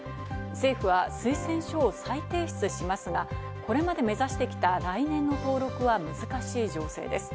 政府は推薦書を再提出しますが、これまで目指してきた来年の登録は難しい情勢です。